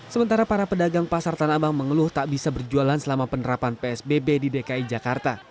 sementara para pedagang pasar tanah abang mengeluh tak bisa berjualan selama penerapan psbb di dki jakarta